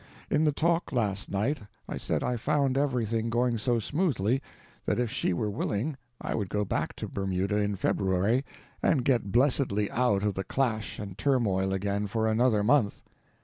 In the talk last night I said I found everything going so smoothly that if she were willing I would go back to Bermuda in February and get blessedly out of the clash and turmoil again for another month.